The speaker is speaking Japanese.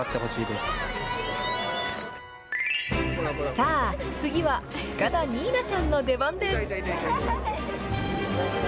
さあ、次は塚田仁南ちゃんの出番です。